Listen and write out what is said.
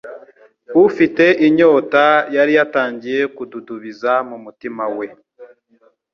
ufite inyota, yari yatangiye kududubiza mu mutima we.